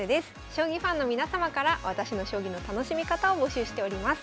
将棋ファンの皆様から私の将棋の楽しみ方を募集しております。